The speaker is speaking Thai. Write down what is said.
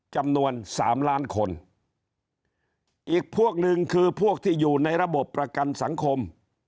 จำนวนสามล้านคนอีกพวกหนึ่งคือพวกที่อยู่ในระบบประกันสังคม